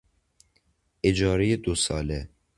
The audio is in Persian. اجارهی دوساله